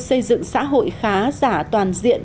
xây dựng xã hội khá giả toàn diện